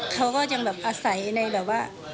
เขาก็ยังแบบอาศัยในแบบว่า